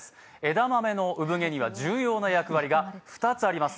枝豆の産毛には重要な役割が２つあります。